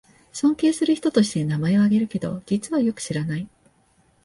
尊敬する人として名前をあげるけど、実はよく知らない